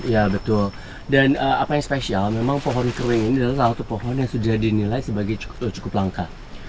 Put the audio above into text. ya betul dan apa yang spesial memang pohon kering ini adalah salah satu pohon yang sudah dinilai sebagai cukup langka